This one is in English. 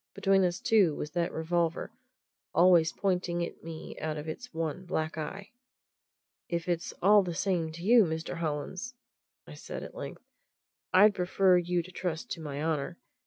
Between us, too, was that revolver always pointing at me out of its one black eye. "If it's all the same to you, Mr. Hollins," said I at length, "I'd prefer you to trust to my honour.